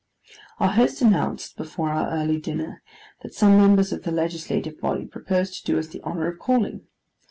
Our host announced, before our early dinner, that some members of the legislative body proposed to do us the honour of calling.